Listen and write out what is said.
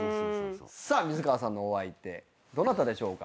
さあ水川さんのお相手どなたでしょうか。